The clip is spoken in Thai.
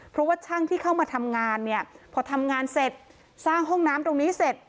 เพราะว่าช่างที่เข้ามาทำงานเนี่ยพอทำงานเสร็จสร้างห้องน้ำตรงนี้เสร็จ